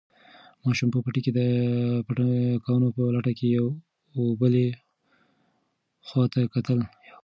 ماشوم په پټي کې د پتنګانو په لټه کې یوې او بلې خواته کتل.